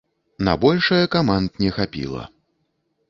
На большае каманд не хапіла.